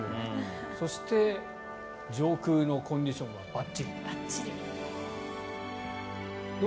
そして、上空のコンディションがばっちりという。